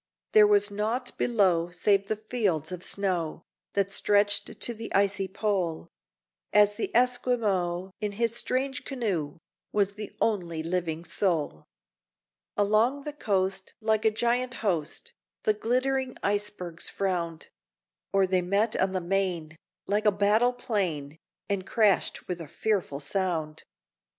There was nought below, save the fields of snow, That stretched to the icy pole; And the Esquimaux, in his strange canoe, Was the only living soul! Along the coast, like a giant host, The glittering icebergs frowned, Or they met on the main, like a battle plain, And crashed with a fearful sound!